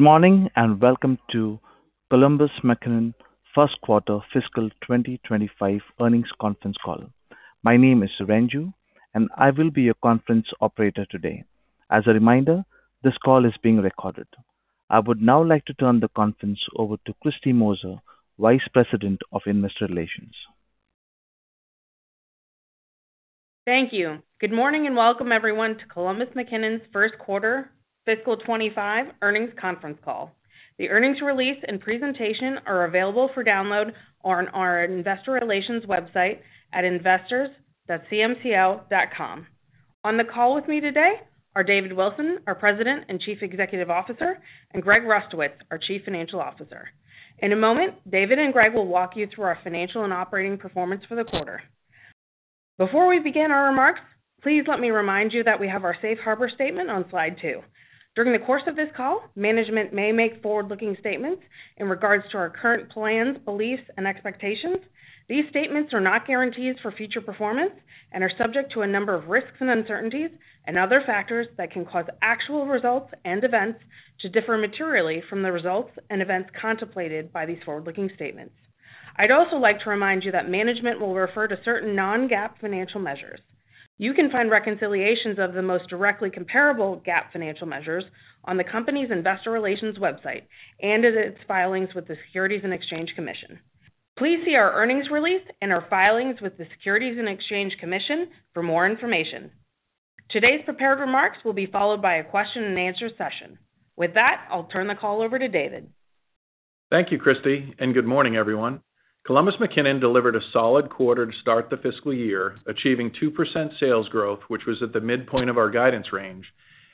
Good morning and welcome to Columbus McKinnon First Quarter Fiscal 2025 Earnings Conference Call. My name is Ranju, and I will be your conference operator today. As a reminder, this call is being recorded. I would now like to turn the conference over to Kristy Moser, Vice President of Investor Relations. Thank you. Good morning and welcome, everyone, to Columbus McKinnon's First Quarter Fiscal 2025 Earnings Conference Call. The earnings release and presentation are available for download on our Investor Relations website at investors.columbusmckinnon.com. On the call with me today are David Wilson, our President and Chief Executive Officer, and Greg Rustowicz, our Chief Financial Officer. In a moment, David and Greg will walk you through our financial and operating performance for the quarter. Before we begin our remarks, please let me remind you that we have our Safe Harbor Statement on slide two. During the course of this call, management may make forward-looking statements in regards to our current plans, beliefs, and expectations. These statements are not guarantees for future performance and are subject to a number of risks and uncertainties and other factors that can cause actual results and events to differ materially from the results and events contemplated by these forward-looking statements. I'd also like to remind you that management will refer to certain non-GAAP financial measures. You can find reconciliations of the most directly comparable GAAP financial measures on the company's Investor Relations website and in its filings with the Securities and Exchange Commission. Please see our earnings release and our filings with the Securities and Exchange Commission for more information. Today's prepared remarks will be followed by a question-and-answer session. With that, I'll turn the call over to David. Thank you, Kristy, and good morning, everyone. Columbus McKinnon delivered a solid quarter to start the fiscal year, achieving 2% sales growth, which was at the midpoint of our guidance range,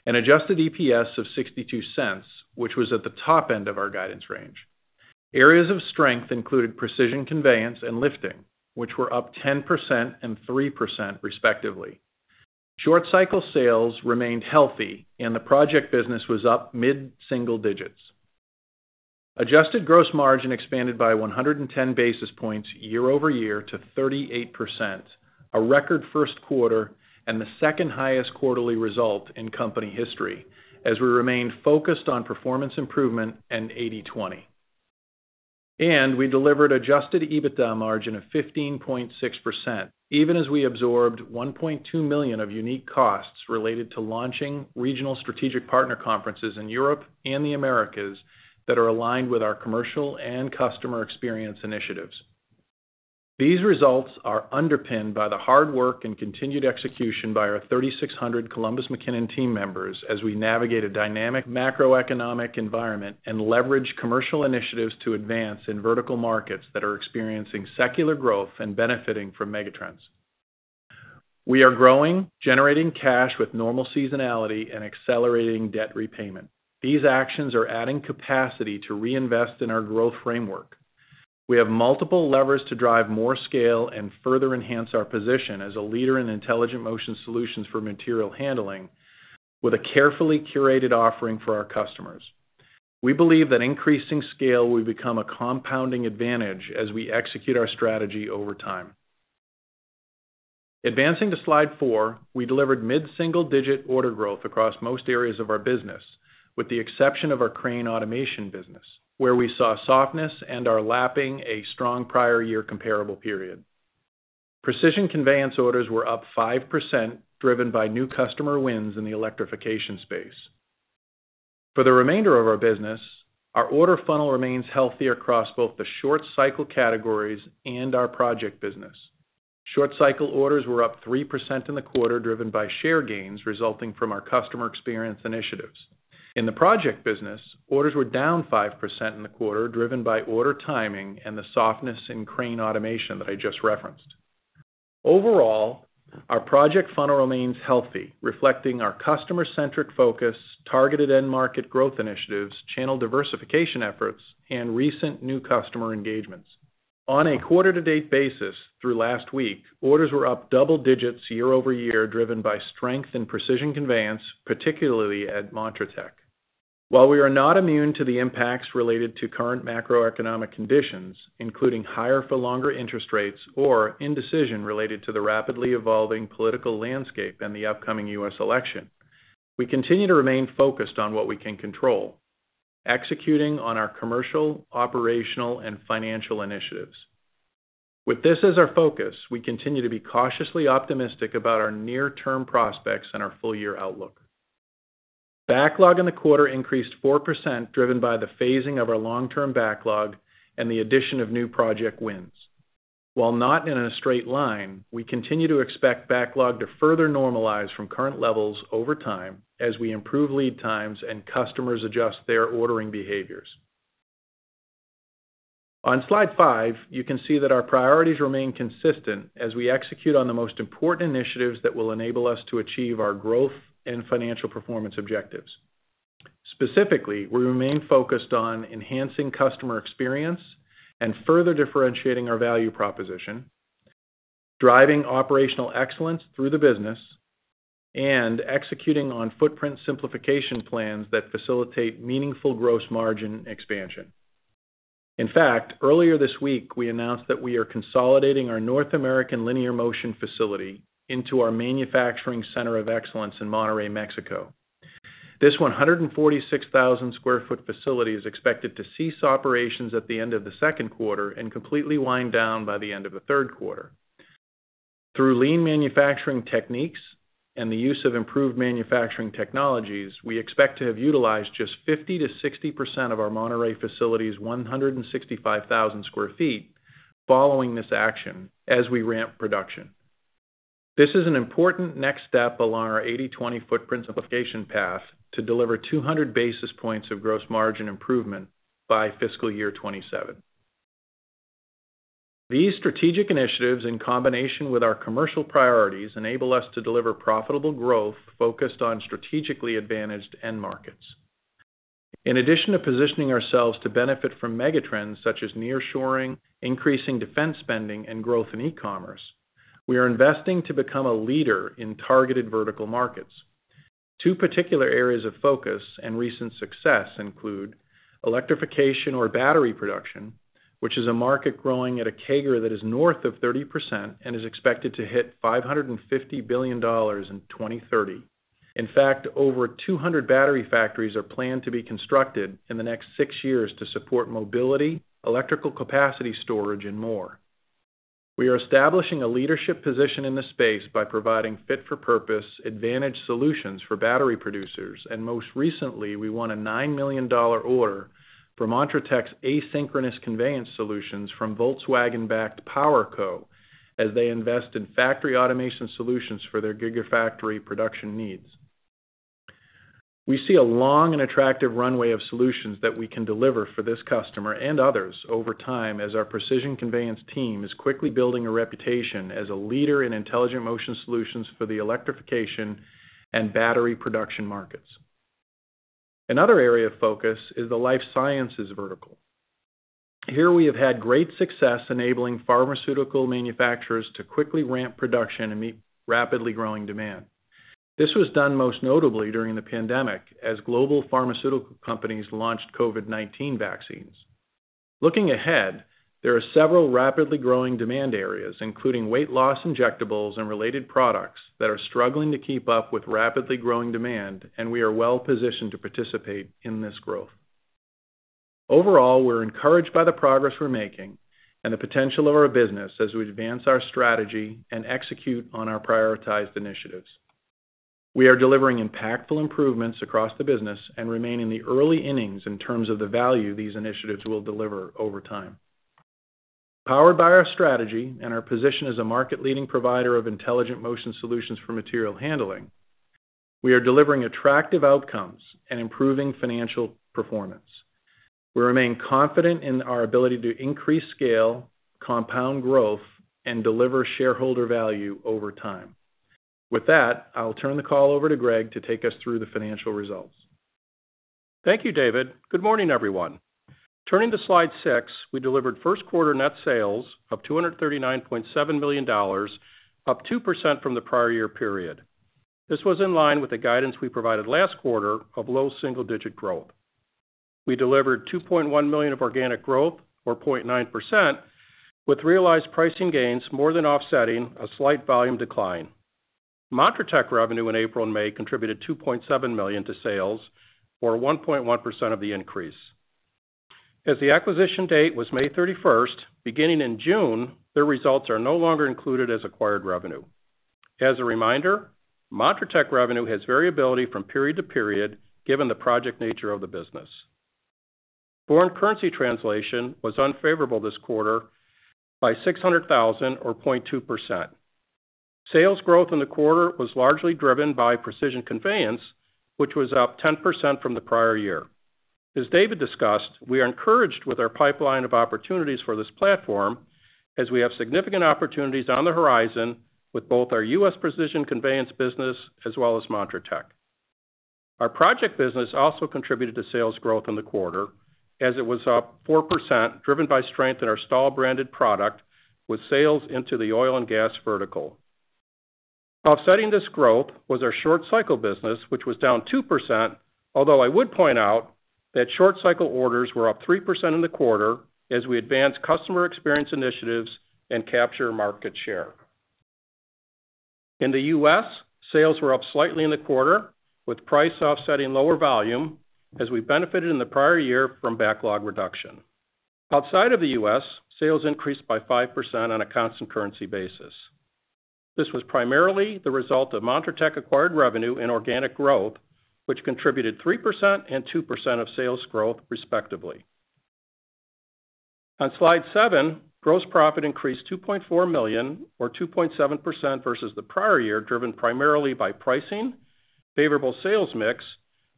and Adjusted EPS of $0.62, which was at the top end of our guidance range. Areas of strength included Precision Conveyance and lifting, which were up 10% and 3%, respectively. Short-cycle sales remained healthy, and the Project Business was up mid-single digits. Adjusted gross margin expanded by 110 basis points year-over-year to 38%, a record first quarter and the second highest quarterly result in company history, as we remained focused on performance improvement and 80/20. We delivered Adjusted EBITDA margin of 15.6%, even as we absorbed $1.2 million of unique costs related to launching regional strategic partner conferences in Europe and the Americas that are aligned with our commercial and customer experience initiatives. These results are underpinned by the hard work and continued execution by our 3,600 Columbus McKinnon team members as we navigate a dynamic macroeconomic environment and leverage commercial initiatives to advance in vertical markets that are experiencing secular growth and benefiting from megatrends. We are growing, generating cash with normal seasonality, and accelerating debt repayment. These actions are adding capacity to reinvest in our growth framework. We have multiple levers to drive more scale and further enhance our position as a leader in intelligent motion solutions for material handling, with a carefully curated offering for our customers. We believe that increasing scale will become a compounding advantage as we execute our strategy over time. Advancing to slide four, we delivered mid-single-digit order growth across most areas of our business, with the exception of our crane automation business, where we saw softness and are lapping a strong prior year comparable period. Precision conveyance orders were up 5%, driven by new customer wins in the electrification space. For the remainder of our business, our order funnel remains healthy across both the short-cycle categories and our Project Business. Short-cycle orders were up 3% in the quarter, driven by share gains resulting from our customer experience initiatives. In the Project Business, orders were down 5% in the quarter, driven by order timing and the softness in crane automation that I just referenced. Overall, our project funnel remains healthy, reflecting our customer-centric focus, targeted end-market growth initiatives, channel diversification efforts, and recent new customer engagements. On a quarter-to-date basis through last week, orders were up double digits year-over-year, driven by strength in Precision Conveyance, particularly at Montratec. While we are not immune to the impacts related to current macroeconomic conditions, including higher-for-longer interest rates or indecision related to the rapidly evolving political landscape and the upcoming U.S. election, we continue to remain focused on what we can control, executing on our commercial, operational, and financial initiatives. With this as our focus, we continue to be cautiously optimistic about our near-term prospects and our full-year outlook. Backlog in the quarter increased 4%, driven by the phasing of our long-term backlog and the addition of new project wins. While not in a straight line, we continue to expect backlog to further normalize from current levels over time as we improve lead times and customers adjust their ordering behaviors. On slide 5, you can see that our priorities remain consistent as we execute on the most important initiatives that will enable us to achieve our growth and financial performance objectives. Specifically, we remain focused on enhancing customer experience and further differentiating our value proposition, driving operational excellence through the business, and executing on footprint simplification plans that facilitate meaningful gross margin expansion. In fact, earlier this week, we announced that we are consolidating our North American linear motion facility into our manufacturing Center of Excellence in Monterrey, Mexico. This 146,000-sq-ft facility is expected to cease operations at the end of the second quarter and completely wind down by the end of the third quarter. Through lean manufacturing techniques and the use of improved manufacturing technologies, we expect to have utilized just 50%-60% of our Monterrey facility's 165,000 sq ft following this action as we ramp production. This is an important next step along our 80/20 footprint simplification path to deliver 200 basis points of gross margin improvement by fiscal year 2027. These strategic initiatives, in combination with our commercial priorities, enable us to deliver profitable growth focused on strategically advantaged end markets. In addition to positioning ourselves to benefit from megatrends such as nearshoring, increasing defense spending, and growth in e-commerce, we are investing to become a leader in targeted vertical markets. Two particular areas of focus and recent success include electrification or battery production, which is a market growing at a CAGR that is north of 30% and is expected to hit $550 billion in 2030. In fact, over 200 battery factories are planned to be constructed in the next six years to support mobility, electrical capacity storage, and more. We are establishing a leadership position in this space by providing fit-for-purpose, advantaged solutions for battery producers, and most recently, we won a $9 million order for Montratec's asynchronous conveyance solutions from Volkswagen-backed PowerCo as they invest in factory automation solutions for their Gigafactory production needs. We see a long and attractive runway of solutions that we can deliver for this customer and others over time as our Precision Conveyance team is quickly building a reputation as a leader in intelligent motion solutions for the electrification and battery production markets. Another area of focus is the life sciences vertical. Here, we have had great success enabling pharmaceutical manufacturers to quickly ramp production and meet rapidly growing demand. This was done most notably during the pandemic as global pharmaceutical companies launched COVID-19 vaccines. Looking ahead, there are several rapidly growing demand areas, including weight loss injectables and related products, that are struggling to keep up with rapidly growing demand, and we are well-positioned to participate in this growth. Overall, we're encouraged by the progress we're making and the potential of our business as we advance our strategy and execute on our prioritized initiatives. We are delivering impactful improvements across the business and remain in the early innings in terms of the value these initiatives will deliver over time. Powered by our strategy and our position as a market-leading provider of intelligent motion solutions for material handling, we are delivering attractive outcomes and improving financial performance. We remain confident in our ability to increase scale, compound growth, and deliver shareholder value over time. With that, I'll turn the call over to Greg to take us through the financial results. Thank you, David. Good morning, everyone. Turning to slide six, we delivered first quarter net sales of $239.7 million, up 2% from the prior year period. This was in line with the guidance we provided last quarter of low single-digit growth. We delivered $2.1 million of organic growth, or 0.9%, with realized pricing gains more than offsetting a slight volume decline. Montratec revenue in April and May contributed $2.7 million to sales, or 1.1% of the increase. As the acquisition date was May 31st, beginning in June, the results are no longer included as acquired revenue. As a reminder, Montratec revenue has variability from period to period, given the project nature of the business. Foreign currency translation was unfavorable this quarter by $600,000, or 0.2%. Sales growth in the quarter was largely driven by Precision Conveyance, which was up 10% from the prior year. As David discussed, we are encouraged with our pipeline of opportunities for this platform as we have significant opportunities on the horizon with both our U.S. Precision Conveyance business as well as Montratec. Our project business also contributed to sales growth in the quarter as it was up 4%, driven by strength in our Stahl branded product with sales into the oil and gas vertical. Offsetting this growth was our short-cycle business, which was down 2%, although I would point out that short-cycle orders were up 3% in the quarter as we advanced customer experience initiatives and captured market share. In the U.S., sales were up slightly in the quarter, with price offsetting lower volume as we benefited in the prior year from backlog reduction. Outside of the U.S., sales increased by 5% on a constant currency basis. This was primarily the result of Montratec acquired revenue and organic growth, which contributed 3% and 2% of sales growth, respectively. On slide 7, gross profit increased $2.4 million, or 2.7%, versus the prior year, driven primarily by pricing, favorable sales mix,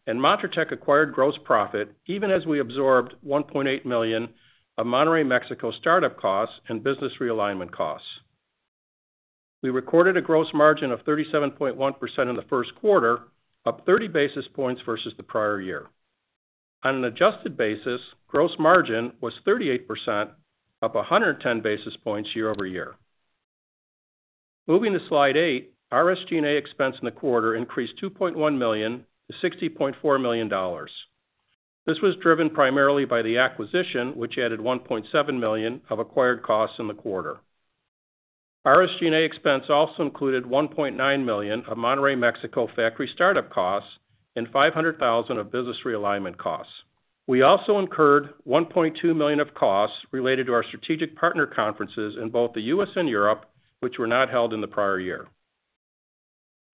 and Montratec acquired gross profit, even as we absorbed $1.8 million of Monterrey, Mexico startup costs and business realignment costs. We recorded a gross margin of 37.1% in the first quarter, up 30 basis points versus the prior year. On an adjusted basis, gross margin was 38%, up 110 basis points year-over-year. Moving to slide 8, SG&A expense in the quarter increased $2.1 million to $60.4 million. This was driven primarily by the acquisition, which added $1.7 million of acquired costs in the quarter. SG&A expense also included $1.9 million of Monterrey, Mexico factory startup costs and $500,000 of business realignment costs. We also incurred $1.2 million of costs related to our strategic partner conferences in both the U.S. and Europe, which were not held in the prior year.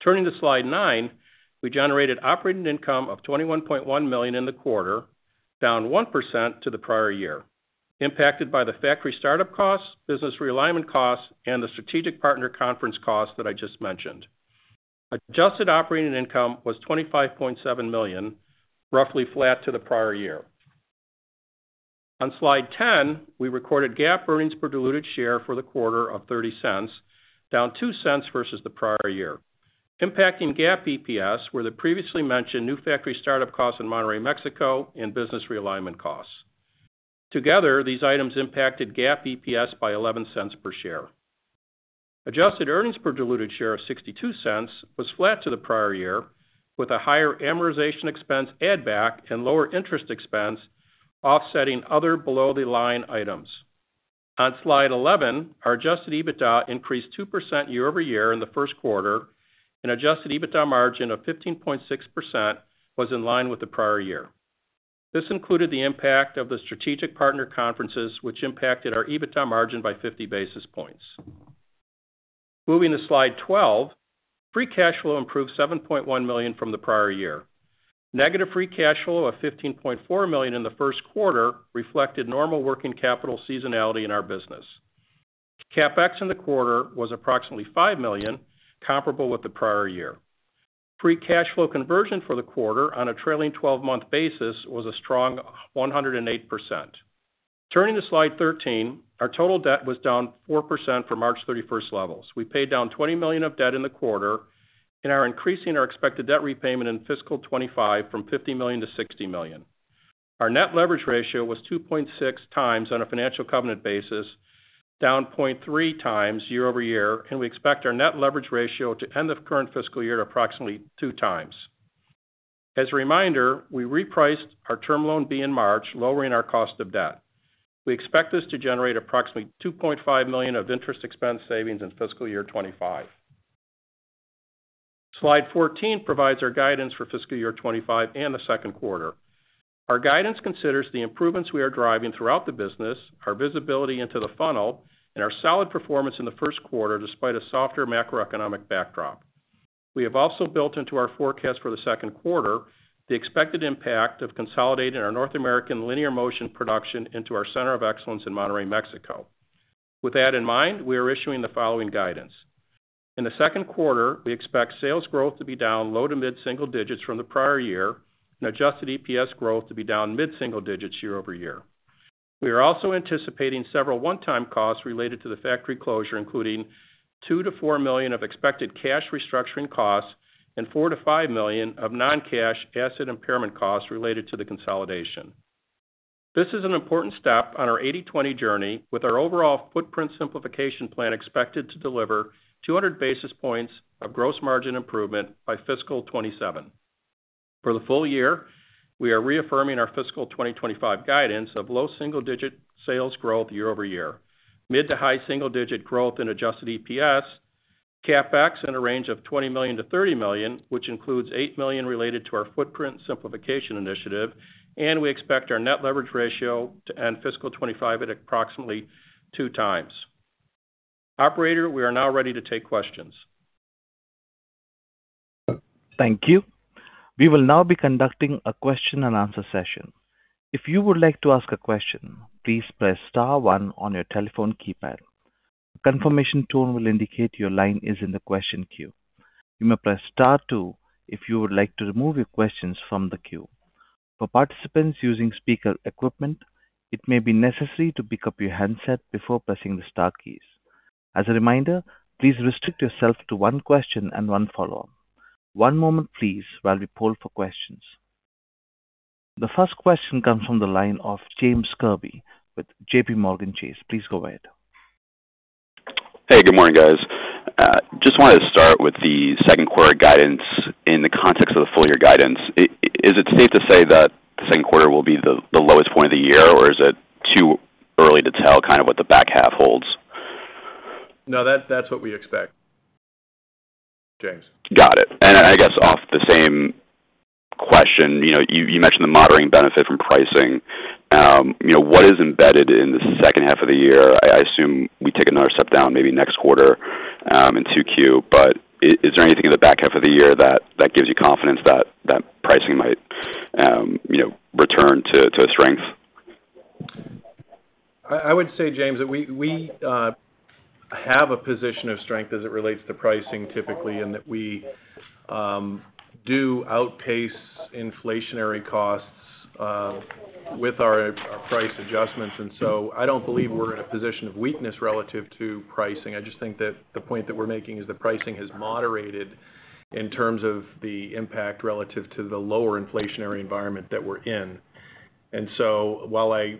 Turning to slide 9, we generated operating income of $21.1 million in the quarter, down 1% to the prior year, impacted by the factory startup costs, business realignment costs, and the strategic partner conference costs that I just mentioned. Adjusted operating income was $25.7 million, roughly flat to the prior year. On slide 10, we recorded GAAP earnings per diluted share for the quarter of $0.30, down $0.02 versus the prior year, impacting GAAP EPS, where the previously mentioned new factory startup costs in Monterrey, Mexico, and business realignment costs. Together, these items impacted GAAP EPS by $0.11 per share. Adjusted earnings per diluted share of $0.62 was flat to the prior year, with a higher amortization expense add-back and lower interest expense offsetting other below-the-line items. On slide 11, our adjusted EBITDA increased 2% year-over-year in the first quarter, and adjusted EBITDA margin of 15.6% was in line with the prior year. This included the impact of the strategic partner conferences, which impacted our EBITDA margin by 50 basis points. Moving to slide 12, free cash flow improved $7.1 million from the prior year. Negative free cash flow of $15.4 million in the first quarter reflected normal working capital seasonality in our business. CapEx in the quarter was approximately $5 million, comparable with the prior year. Free cash flow conversion for the quarter on a trailing 12-month basis was a strong 108%. Turning to slide 13, our total debt was down 4% from March 31st levels. We paid down $20 million of debt in the quarter, and are increasing our expected debt repayment in fiscal 2025 from $50 million- $60 million. Our net leverage ratio was 2.6 times on a financial covenant basis, down 0.3 times year-over-year, and we expect our net leverage ratio to end the current fiscal year at approximately 2 times. As a reminder, we repriced our Term Loan B in March, lowering our cost of debt. We expect this to generate approximately $2.5 million of interest expense savings in fiscal year 2025. Slide 14 provides our guidance for fiscal year 2025 and the second quarter. Our guidance considers the improvements we are driving throughout the business, our visibility into the funnel, and our solid performance in the first quarter despite a softer macroeconomic backdrop. We have also built into our forecast for the second quarter the expected impact of consolidating our North American linear motion production into our Center of Excellence in Monterrey, Mexico. With that in mind, we are issuing the following guidance. In the second quarter, we expect sales growth to be down low to mid-single digits from the prior year and adjusted EPS growth to be down mid-single digits year-over-year. We are also anticipating several one-time costs related to the factory closure, including $2 million-$4 million of expected cash restructuring costs and $4 million-$5 million of non-cash asset impairment costs related to the consolidation. This is an important step on our 80/20 journey, with our overall footprint simplification plan expected to deliver 200 basis points of gross margin improvement by fiscal 2027. For the full year, we are reaffirming our fiscal 2025 guidance of low single-digit sales growth year-over-year, mid- to high single-digit growth in adjusted EPS, CapEx in a range of $20 million-$30 million, which includes $8 million related to our footprint simplification initiative, and we expect our net leverage ratio to end fiscal 2025 at approximately 2 times. Operator, we are now ready to take questions. Thank you. We will now be conducting a question-and-answer session. If you would like to ask a question, please press Star one on your telephone keypad. A confirmation tone will indicate your line is in the question queue. You may press Star two if you would like to remove your questions from the queue. For participants using speaker equipment, it may be necessary to pick up your handset before pressing the Star keys. As a reminder, please restrict yourself to one question and one follow-up. One moment, please, while we poll for questions. The first question comes from the line of James Kirby with JPMorgan Chase. Please go ahead. Hey, good morning, guys. Just wanted to start with the second quarter guidance in the context of the full-year guidance. Is it safe to say that the second quarter will be the lowest point of the year, or is it too early to tell kind of what the back half holds? No, that's what we expect, James. Got it. And I guess off the same question, you mentioned the moderating benefit from pricing. What is embedded in the second half of the year? I assume we take another step down maybe next quarter into Q, but is there anything in the back half of the year that gives you confidence that pricing might return to strength? I would say, James, that we have a position of strength as it relates to pricing typically and that we do outpace inflationary costs with our price adjustments. And so I don't believe we're in a position of weakness relative to pricing. I just think that the point that we're making is that pricing has moderated in terms of the impact relative to the lower inflationary environment that we're in. And so while I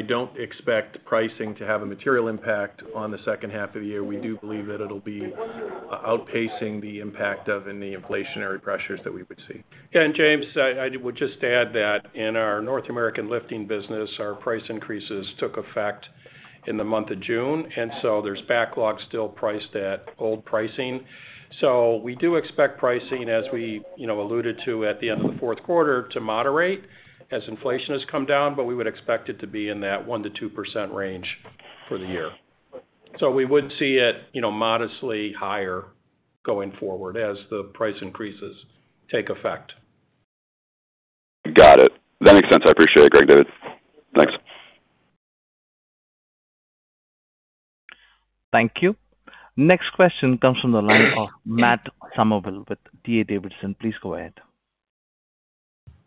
don't expect pricing to have a material impact on the second half of the year, we do believe that it'll be outpacing the impact of any inflationary pressures that we would see. Yeah, and James, I would just add that in our North American lifting business, our price increases took effect in the month of June, and so there's backlog still priced at old pricing. We do expect pricing, as we alluded to at the end of the fourth quarter, to moderate as inflation has come down, but we would expect it to be in that 1%-2% range for the year. We would see it modestly higher going forward as the price increases take effect. Got it. That makes sense. I appreciate it, Greg. Thanks. Thank you. Next question comes from the line of Matt Summerville with D.A. Davidson. Please go ahead.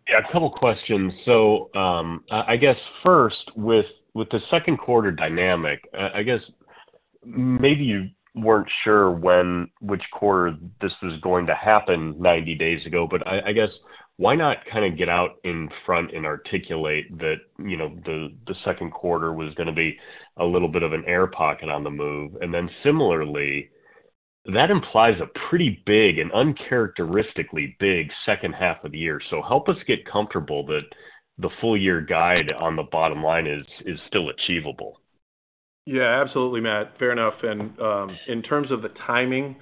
Yeah, a couple of questions. So I guess first, with the second quarter dynamic, I guess maybe you weren't sure which quarter this was going to happen 90 days ago, but I guess why not kind of get out in front and articulate that the second quarter was going to be a little bit of an air pocket on the move? And then similarly, that implies a pretty big and uncharacteristically big second half of the year. So help us get comfortable that the full-year guide on the bottom line is still achievable. Yeah, absolutely, Matt. Fair enough. In terms of the timing,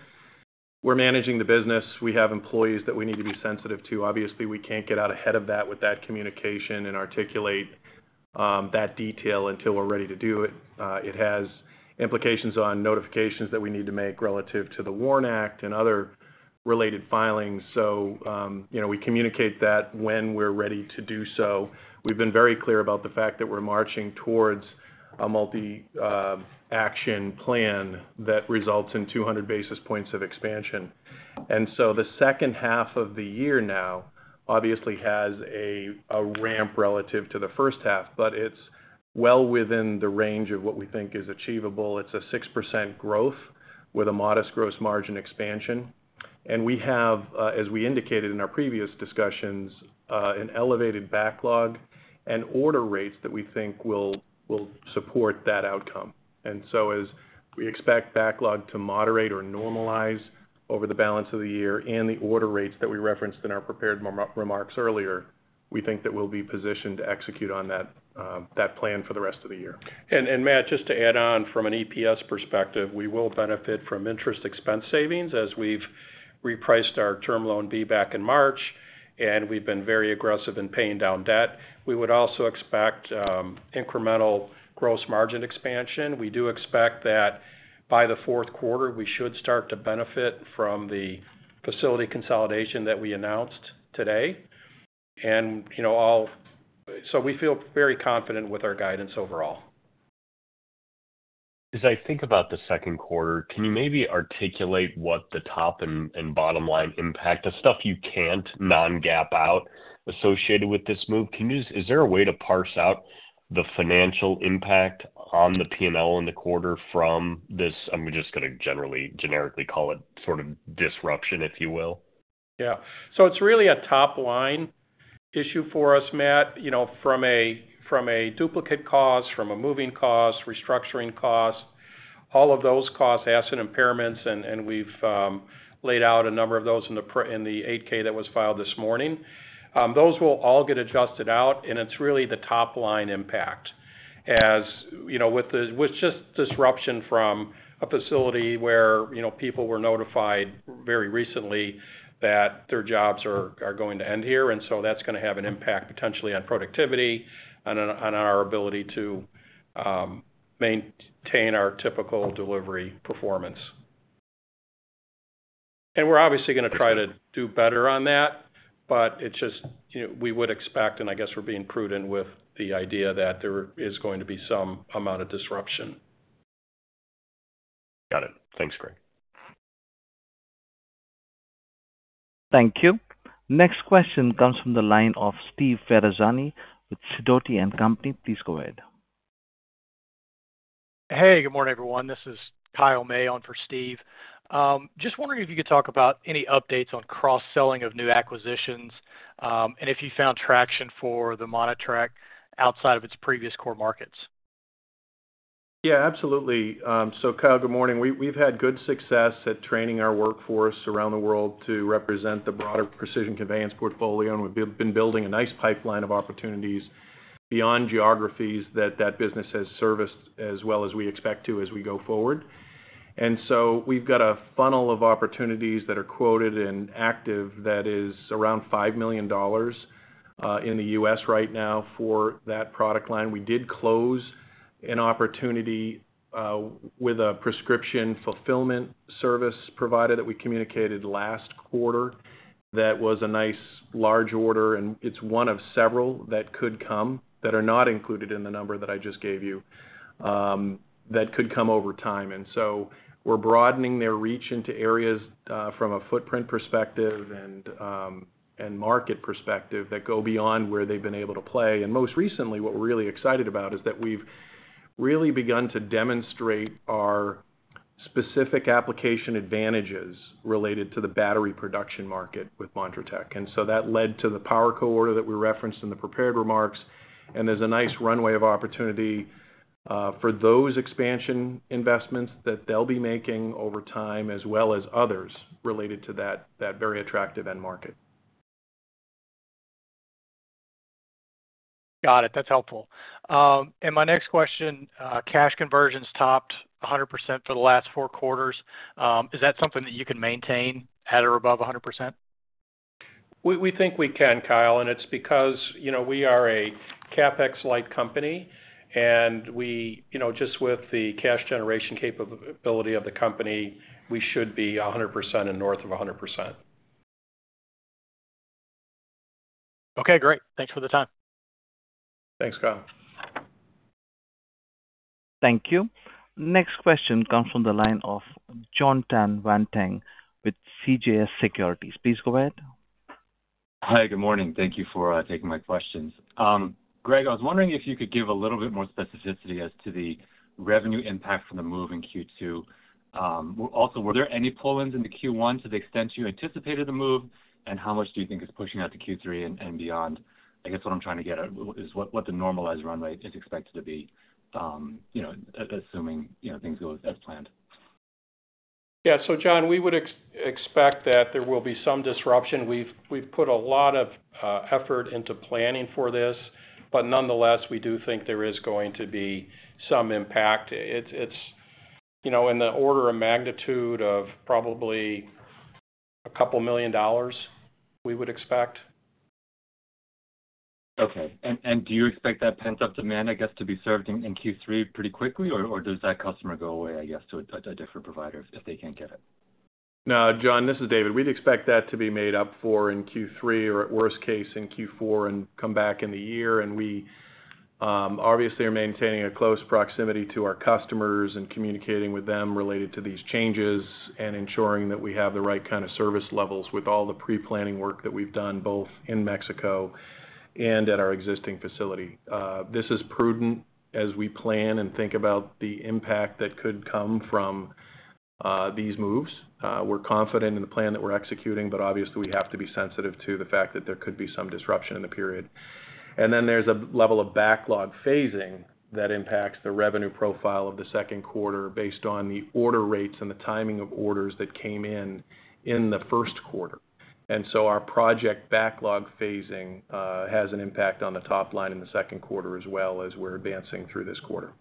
we're managing the business. We have employees that we need to be sensitive to. Obviously, we can't get out ahead of that with that communication and articulate that detail until we're ready to do it. It has implications on notifications that we need to make relative to the WARN Act and other related filings. We communicate that when we're ready to do so. We've been very clear about the fact that we're marching towards a multi-action plan that results in 200 basis points of expansion. The second half of the year now obviously has a ramp relative to the first half, but it's well within the range of what we think is achievable. It's a 6% growth with a modest gross margin expansion. We have, as we indicated in our previous discussions, an elevated backlog and order rates that we think will support that outcome. So as we expect backlog to moderate or normalize over the balance of the year and the order rates that we referenced in our prepared remarks earlier, we think that we'll be positioned to execute on that plan for the rest of the year. And Matt, just to add on from an EPS perspective, we will benefit from interest expense savings as we've repriced our Term Loan B back in March, and we've been very aggressive in paying down debt. We would also expect incremental gross margin expansion. We do expect that by the fourth quarter, we should start to benefit from the facility consolidation that we announced today. So we feel very confident with our guidance overall. As I think about the second quarter, can you maybe articulate what the top and bottom line impact, the stuff you can't non-GAAP out associated with this move? Is there a way to parse out the financial impact on the P&L in the quarter from this? I'm just going to generally generically call it sort of disruption, if you will. Yeah. So it's really a top-line issue for us, Matt, from a duplicate cost, from a moving cost, restructuring cost, all of those costs, asset impairments, and we've laid out a number of those in the 8-K that was filed this morning. Those will all get adjusted out, and it's really the top-line impact with just disruption from a facility where people were notified very recently that their jobs are going to end here. And that's also going to have an impact potentially productivity and on our ability to maintain our typical delivery performance. And we're obviously going to try to do better on that, but we would expect, and I guess we're being prudent with the idea that there is going to be some amount of disruption. Got it. Thanks, Greg. Thank you. Next question comes from the line of Steve Ferrazzani with Sidoti & Company. Please go ahead. Hey, good morning, everyone. This is Kyle May on for Steve. Just wondering if you could talk about any updates on cross-selling of new acquisitions and if you found traction for the Montratec outside of its previous core markets. Yeah, absolutely. So Kyle, good morning. We've had good success at training our workforce around the world to represent the broader Precision conveyance portfolio, and we've been building a nice pipeline of opportunities beyond geographies that that business has serviced as well as we expect to as we go forward. And so we've got a funnel of opportunities that are quoted and active that is around $5 million in the U.S. right now for that product line. We did close an opportunity with a prescription fulfillment service provider that we communicated last quarter that was a nice large order, and it's one of several that could come that are not included in the number that I just gave you that could come over time. And so we're broadening their reach into areas from a footprint perspective and market perspective that go beyond where they've been able to play. Most recently, what we're really excited about is that we've really begun to demonstrate our specific application advantages related to the battery production market with Montratec. So that led to the PowerCo that we referenced in the prepared remarks, and there's a nice runway of opportunity for those expansion investments that they'll be making over time as well as others related to that very attractive end market. Got it. That's helpful. And my next question, cash conversions topped 100% for the last four quarters. Is that something that you can maintain at or above 100%? We think we can, Kyle, and it's because we are a CapEx-like company, and just with the cash generation capability of the company, we should be 100% and north of 100%. Okay, great. Thanks for the time. Thanks, Kyle. Thank you. Next question comes from the line of Jon Tanwanteng with CJS Securities. Please go ahead. Hi, good morning. Thank you for taking my questions. Greg, I was wondering if you could give a little bit more specificity as to the revenue impact from the move in Q2. Also, were there any pull-ins in the Q1 to the extent you anticipated the move, and how much do you think is pushing out to Q3 and beyond? I guess what I'm trying to get at is what the normalized run rate is expected to be, assuming things go as planned. Yeah. So Jon, we would expect that there will be some disruption. We've put a lot of effort into planning for this, but nonetheless, we do think there is going to be some impact. It's in the order of magnitude of probably $2 million we would expect. Okay. Do you expect that pent-up demand, I guess, to be served in Q3 pretty quickly, or does that customer go away, I guess, to a different provider if they can't get it? No, Jon, this is David. We'd expect that to be made up for in Q3 or, at worst case, in Q4 and come back in the year. We obviously are maintaining a close proximity to our customers and communicating with them related to these changes and ensuring that we have the right kind of service levels with all the pre-planning work that we've done both in Mexico and at our existing facility. This is prudent as we plan and think about the impact that could come from these moves. We're confident in the plan that we're executing, but obviously, we have to be sensitive to the fact that there could be some disruption in the period. Then there's a level of backlog phasing that impacts the revenue profile of the second quarter based on the order rates and the timing of orders that came in in the first quarter. So our project backlog phasing has an impact on the top line in the second quarter as well as we're advancing through this quarter.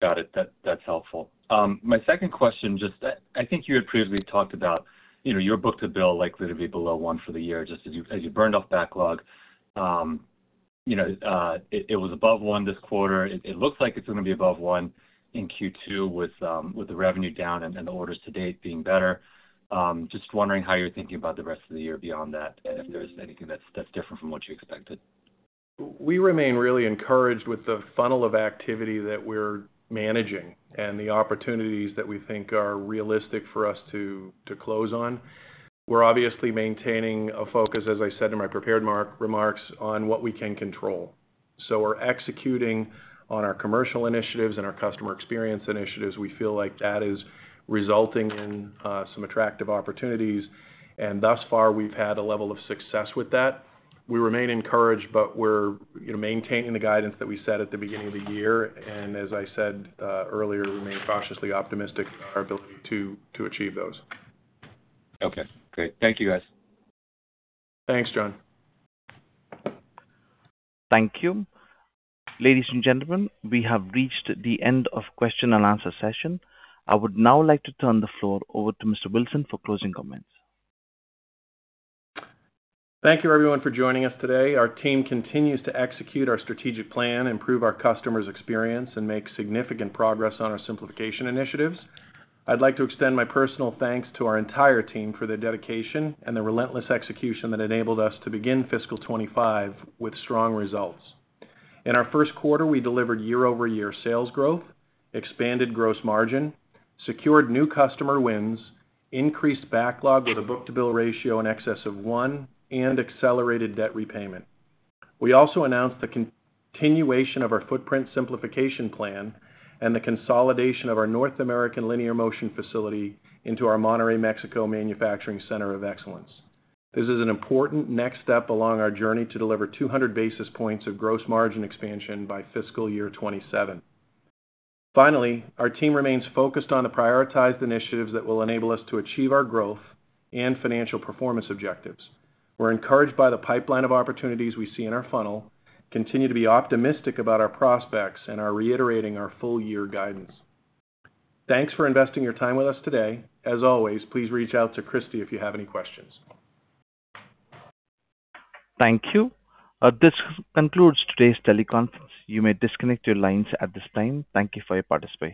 Got it. That's helpful. My second question, just I think you had previously talked about your book-to-bill likelihood to be below one for the year just as you burned off backlog. It was above one this quarter. It looks like it's going to be above one in Q2 with the revenue down and the orders to date being better. Just wondering how you're thinking about the rest of the year beyond that and if there's anything that's different from what you expected. We remain really encouraged with the funnel of activity that we're managing and the opportunities that we think are realistic for us to close on. We're obviously maintaining a focus, as I said in my prepared remarks, on what we can control. So we're executing on our commercial initiatives and our customer experience initiatives. We feel like that is resulting in some attractive opportunities, and thus far, we've had a level of success with that. We remain encouraged, but we're maintaining the guidance that we set at the beginning of the year. And as I said earlier, we remain cautiously optimistic in our ability to achieve those. Okay. Great. Thank you, guys. Thanks, Jon. Thank you. Ladies and gentlemen, we have reached the end of the question and answer session. I would now like to turn the floor over to Mr. Wilson for closing comments. Thank you, everyone, for joining us today. Our team continues to execute our strategic plan, improve our customers' experience, and make significant progress on our simplification initiatives. I'd like to extend my personal thanks to our entire team for their dedication and the relentless execution that enabled us to begin fiscal 2025 with strong results. In our first quarter, we delivered year-over-year sales growth, expanded gross margin, secured new customer wins, increased backlog with a book-to-bill ratio in excess of one, and accelerated debt repayment. We also announced the continuation of our footprint simplification plan and the consolidation of our North American linear motion facility into our Monterrey, Mexico Manufacturing Center of Excellence. This is an important next step along our journey to deliver 200 basis points of gross margin expansion by fiscal year 2027. Finally, our team remains focused on the prioritized initiatives that will enable us to achieve our growth and financial performance objectives. We're encouraged by the pipeline of opportunities we see in our funnel, continue to be optimistic about our prospects, and are reiterating our full-year guidance. Thanks for investing your time with us today. As always, please reach out to Kristy if you have any questions. Thank you. This concludes today's teleconference. You may disconnect your lines at this time. Thank you for your participation.